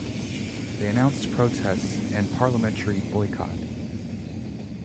They announced protests and parliamentary boycott.